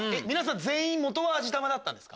全員元は味玉だったんですか？